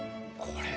これ。